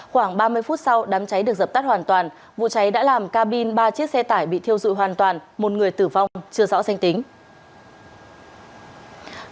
khoảng ba mươi phút sau đám cháy được dập tắt hoàn toàn vụ cháy đã làm ca bin ba chiếc xe tải bị thiêu dụi hoàn toàn một người tử vong chưa rõ danh tính